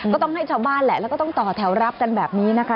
ต้องให้ชาวบ้านแหละแล้วก็ต้องต่อแถวรับกันแบบนี้นะคะ